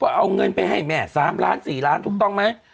เอาเงินไปให้แม่๓ล้าน๔ล้านถูกต้องไหม